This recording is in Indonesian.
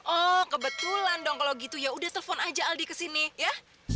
oh kebetulan dong kalau gitu ya udah telepon aja aldi ke sini ya